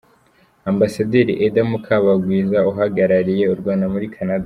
Ambasaderi Edda Mukabagwiza uhagarariye u Rwanda muri Canada, .